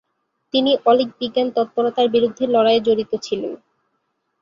তিনি অলীক বিজ্ঞান তৎপরতার বিরুদ্ধে লড়াইয়ে জড়িত ছিলেন।